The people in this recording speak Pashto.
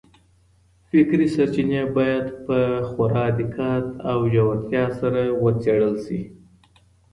فکري سرچينې بايد په خورا دقت او ژورتيا سره وڅېړل سي.